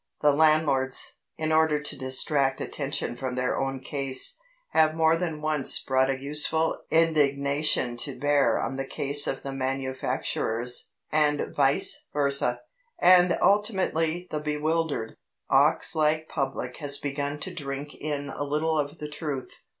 The landlords, in order to distract attention from their own case, have more than once brought a useful indignation to bear on the case of the manufacturers, and vice versa, and ultimately the bewildered, ox like public has begun to drink in a little of the truth.